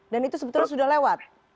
dan itu sebetulnya sudah lewat